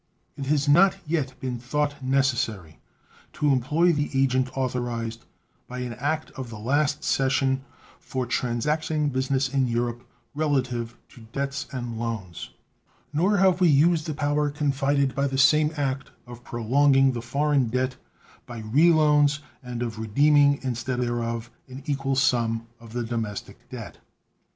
It has not yet been thought necessary to employ the agent authorized by an act of the last session for transacting business in Europe relative to debts and loans. Nor have we used the power confided by the same act of prolonging the foreign debt by reloans, and of redeeming instead thereof an equal sum of the domestic debt.